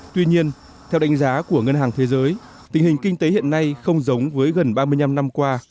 tuy nhiên theo đánh giá của ngân hàng thế giới tình hình kinh tế hiện nay không giống với gần ba mươi năm năm qua